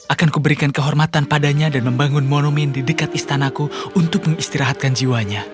akanku berikan kehormatan padanya dan membangun monomin di dekat istanaku untuk mengistirahatkan jiwanya